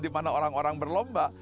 dimana orang orang berlomba